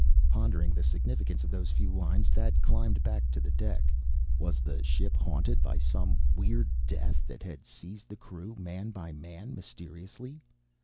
Pondering the significance of those few lines, Thad climbed back to the deck. Was the ship haunted by some weird death, that had seized the crew man by man, mysteriously?